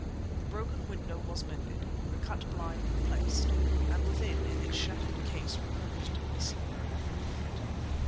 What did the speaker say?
The broken window was mended, the cut blind replaced, and within, in its shattered case, reposed the slipper of the Prophet.